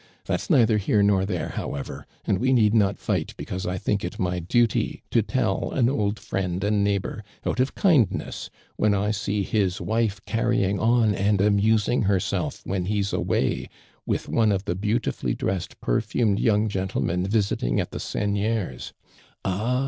That's neither here nor there, however, and we need not tight because I thmk it my duty to tell an old friend and neighbor out of kindness, when I see his wife carrying on and amusing herself, when he's away, with one of the beautifully dressed, perfumed young gentlemen viniting at the seigneur^ s Ah